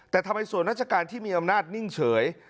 แต่ทำไมส่วนราชการที่มีอำนาจนิ่งเฉย